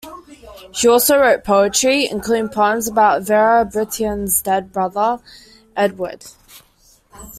She also wrote poetry, including poems about Vera Brittain's dead brother, Edward.